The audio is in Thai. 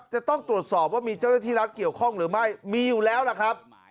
จะต้องตรวจสอบว่ามีเจ้าหน้าที่รัฐเกี่ยวข้องหรือไม่มีอยู่แล้วล่ะครับ